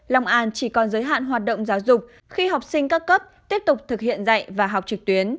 lòng an chỉ còn giới hạn hoạt động giáo dục khi học sinh các cấp tiếp tục thực hiện dạy và học trực tuyến